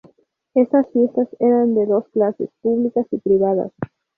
Estas fiestas eran de dos clases, públicas y privadas.